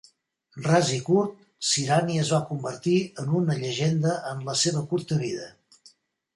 Ras i curt, Sirani es va convertir en una llegenda en la seva curta vida.